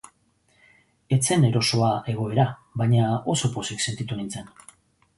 Ez zen erosoa egoera baina oso pozik sentitu nintzen.